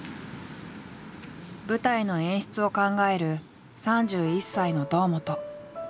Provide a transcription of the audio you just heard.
舞台の演出を考える３１歳の堂本。